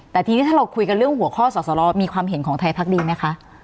แต่ทีนี้ถ้าเราคุยกันเรื่องหัวข้อสอสรมีความเห็นของไทยพักดีไหมคะ